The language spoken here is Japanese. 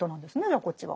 じゃあこっちは。